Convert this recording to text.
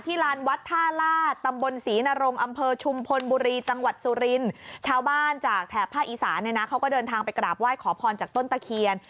ลานวัดท่าลาดตำบลศรีนรงอำเภอชุมพลบุรีจังหวัดสุรินทร์ชาวบ้านจากแถบภาคอีสานเนี่ยนะเขาก็เดินทางไปกราบไหว้ขอพรจากต้นตะเคียน